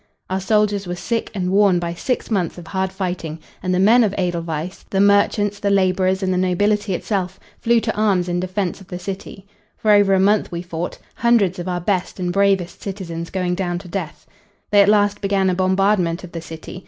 Our soldiers were sick and worn by six months of hard fighting, and the men of Edelweiss the merchants, the laborers and the nobility itself flew to arms in defense of the city. For over a month we fought, hundreds of our best and bravest citizens going down to death. They at last began a bombardment of the city.